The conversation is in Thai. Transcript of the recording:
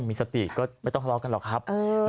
มีสติก็ไม่ต้องทะเลาะกันหรอกครับ